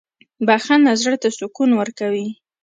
• بخښنه زړه ته سکون ورکوي.